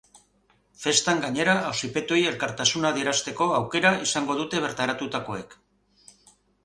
Festan, gainera, auzipetuei elkartasuna adierazte aukera izango dute bertaratutakoek.